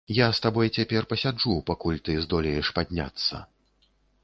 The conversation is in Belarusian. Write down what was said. Я з табой цяпер пасяджу, пакуль ты здолееш падняцца.